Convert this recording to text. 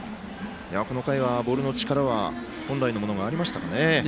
この回は、ボールの力は本来のものがありましたかね。